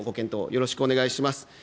よろしくお願いします。